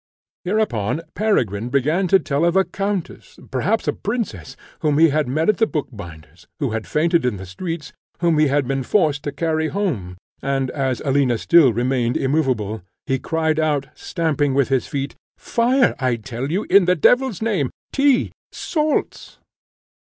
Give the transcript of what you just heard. Hereupon Peregrine began to tell of a countess, perhaps a princess, whom he had met at the bookbinder's, who had fainted in the streets, whom he had been forced to carry home; and, as Alina still remained immoveable, he cried out, stamping with his feet, "Fire, I tell you, in the devil's name! tea! salts!"